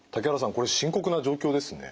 これ深刻な状況ですね。